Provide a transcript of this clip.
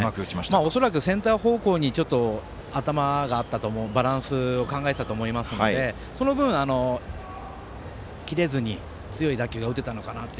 恐らくセンター方向にちょっと頭があってバランスを考えてたと思いますので、その分、切れずに強い打球が打てたのかなと。